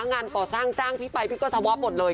งานก่อสร้างจ้างพี่ไปพี่ก็ทะวะหมดเลย